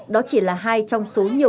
đó chỉ là hai trong số nhiều vụ